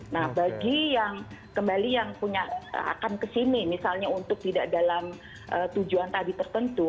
nah bagi yang kembali yang punya akan kesini misalnya untuk tidak dalam tujuan tadi tertentu